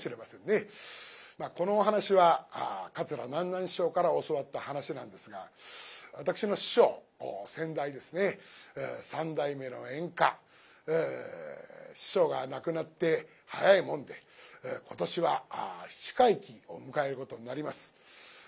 まあこのお噺は桂南なん師匠から教わった噺なんですが私の師匠先代ですね三代目の圓歌師匠が亡くなって早いもんで今年は七回忌を迎えることになります。